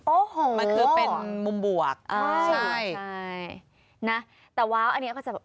โอ้โฮใช่มันคือเป็นมุมบวกใช่นะแต่ว้าวอันนี้ก็จะแบบ